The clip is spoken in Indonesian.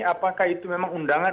apakah itu memang undangan